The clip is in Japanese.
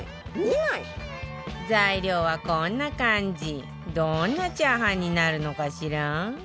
材料は、こんな感じどんなチャーハンになるのかしら？